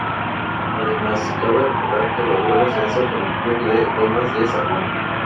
Además, cabe recordar que logró el ascenso con el club de Lomas de Zamora.